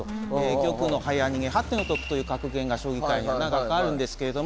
「玉の早逃げ八手の得」という格言が将棋界には長くあるんですけれども。